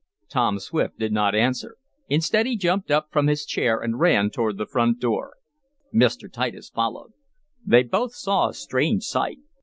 Tom Swift did not answer. Instead he jumped up from his chair and ran toward the front door. Mr. Titus followed. They both saw a strange sight.